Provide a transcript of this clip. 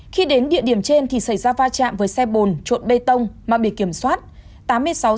khi đến địa điểm trên thì xảy ra va chạm với xe bồn trộn bê tông mà bị kiểm soát